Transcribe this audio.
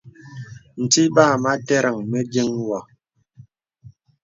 Ntí bà amà tərəŋ mə diəŋ gô.